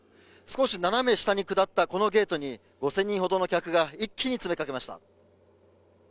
少し斜め下に下ったこのゲートに５０００人ほどの客が一気に詰めかけました。